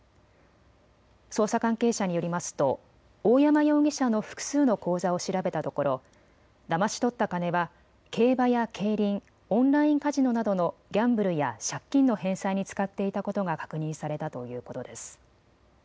捜査関係者によりますと大山容疑者の複数の口座を調べたところ、だまし取った金は競馬や競輪、オンラインカジノなどのギャンブルや借金の返済に使っていたことが確認されたということです。